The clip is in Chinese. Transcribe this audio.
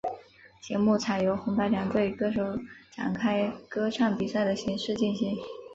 节目采由红白两队歌手展开歌唱比赛的形式进行。